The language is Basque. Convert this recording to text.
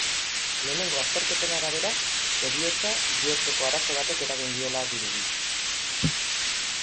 Lehenengo azterketen arabera, heriotza bihotzeko arazo batek eragin diola dirudi.